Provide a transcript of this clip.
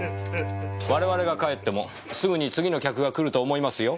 我々が帰ってもすぐに次の客が来ると思いますよ。